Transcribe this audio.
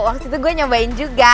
waktu itu gue nyobain juga